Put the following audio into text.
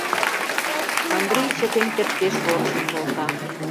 — Андрий, чытен кертде, шортын колта.